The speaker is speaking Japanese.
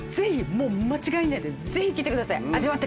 もう間違いないんで味わってください。